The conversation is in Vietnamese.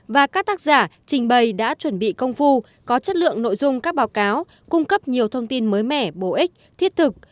và các tác giả trình bày đã chuẩn bị công phu có chất lượng nội dung các báo cáo cung cấp nhiều thông tin mới mẻ bổ ích thiết thực